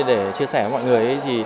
để chia sẻ với mọi người